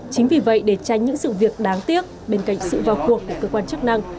chính vì vậy để tránh những sự việc đáng tiếc bên cạnh sự vào cuộc của cơ quan chức năng